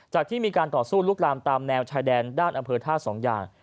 ที่มีการต่อสู้ลุกลามตามแนวชายแดนด้านอำเภอท่าสองอย่าง